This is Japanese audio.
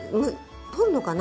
取るのかな？